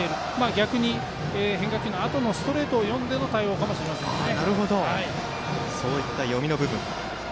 逆に変化球のあとのストレートを読んでの対応かもしれませんがね。